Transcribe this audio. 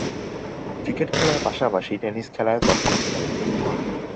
Cricket খেলার পাশাপাশি tennis খেলায়ও দক্ষ ছিলেন তিনি।